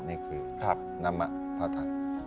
นี่คือนามะพระธะ